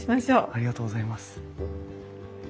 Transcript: ありがとうございます。